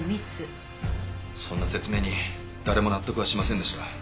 そんな説明に誰も納得はしませんでした。